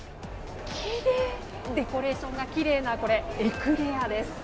デコレーションがきれいなエクレアです。